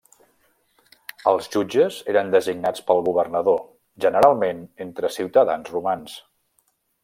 Els jutges eren designats pel governador generalment entre ciutadans romans.